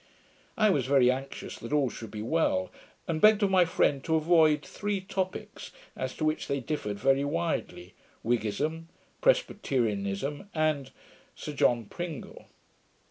I was very anxious that all should be well; and begged of my friend to avoid three topicks, as to which they differed very widely; Whiggism, Presbyterianism, and Sir John Pringle.